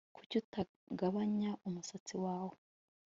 Kuki utagabanya umusatsi wawe